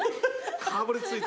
かぶりついて。